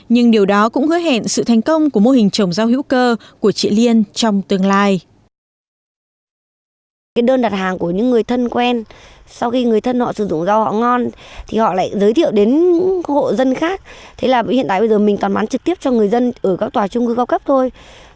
nhưng điều đó cũng hứa hẹn sự thành công của mô hình trồng rau hữu cơ của chị liên trong tương lai